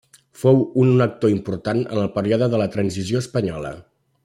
Fou un actor important en el període de la transició espanyola.